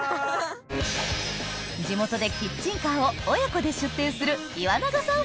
地元でキッチンカーを親子で出店する岩永さん